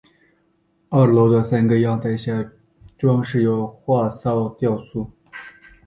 二楼的三个阳台下装饰有花草雕塑。